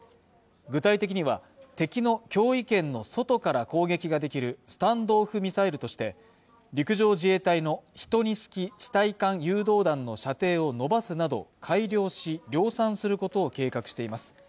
具体的には敵の驚異圏の外から攻撃ができるスタンド・オフ・ミサイルとして陸上自衛隊の１２式地対艦誘導弾の射程を延ばすなど改良し量産することを計画しています